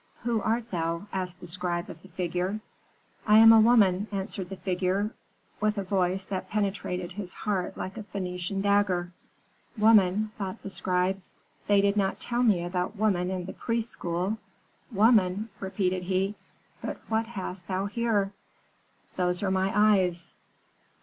"'Who art thou?' asked the scribe of the figure. "'I am a woman,' answered the figure, with a voice that penetrated his heart like a Phœnician dagger. "'Woman?' thought the scribe. 'They did not tell me about woman in the priests' school. Woman?' repeated he. 'But what hast thou here?' "'Those are my eyes.'